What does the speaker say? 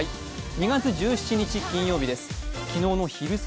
２月１７日金曜日です。